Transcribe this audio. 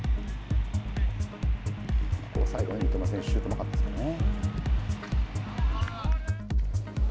最後三笘選手、シュートがうまかったですね。